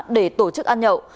để tổ chức ăn nhậu